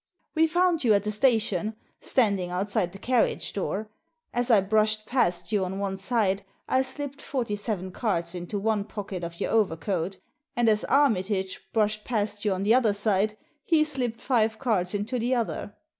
We found you at the station, standing out side the carriage door. As I brushed past you on one side I slipped forty seven cards into one pocket Digitized by VjOOQIC 90 THE SEEN AND THE UNSEEN of your overcoat, and as Armitage brushed past you on the other side he slipped five cards into the other.